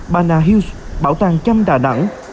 bana hills bảo tàng chăm đà nẵng